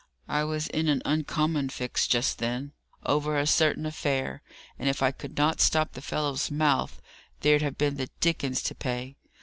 I was in an uncommon fix just then, over a certain affair; and if I could not stop the fellow's mouth, there'd have been the dickens to pay.